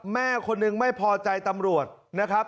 แม่คนหนึ่งไม่พอใจตำรวจนะครับ